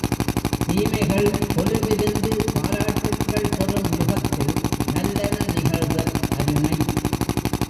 தீமைகள் கொலுவிருந்து பாராட்டுக்கள் பெறும் யுகத்தில் நல்லன நிகழ்தல் அருமை.